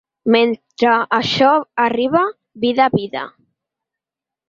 Mentre això arriba, vida, vida.